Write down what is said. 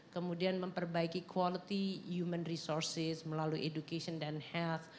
kemudian memperbaiki quality human resources melalui education dan health